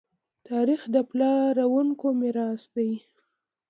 تاریخ د پلارونکو میراث دی.